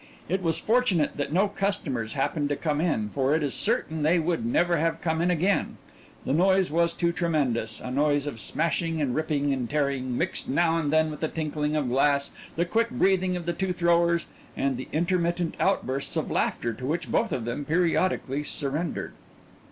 It was fortunate that no customers happened to come in, for it is certain they would never have come in again the noise was too tremendous, a noise of smashing and ripping and tearing, mixed now and then with the tinkling of glass, the quick breathing of the two throwers, and the intermittent outbursts of laughter to which both of them periodically surrendered.